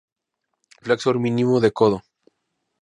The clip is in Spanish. Flexor mínimo de codo.